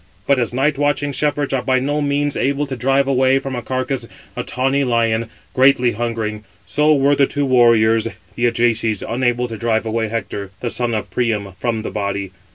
But as night watching 579 shepherds are by no means able to drive away from a carcase a tawny lion, greatly hungering; so were the two warriors, the Ajaces, unable to drive away Hector, the son of Priam, from the body.